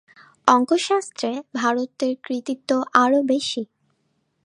অঙ্কশাস্ত্রে ভারতের কৃতিত্ব আরও বেশী।